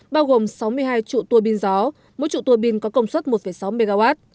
bao gồm sáu mươi hai trụ tùa pin gió mỗi trụ tùa pin có công suất một sáu mw